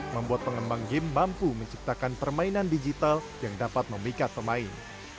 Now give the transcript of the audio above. membuat pengembang game mampu menciptakan permainan digital yang dapat memikat pemain